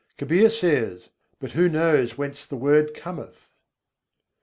Kabîr says: "But who knows whence the Word cometh?